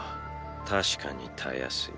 確かにたやすい。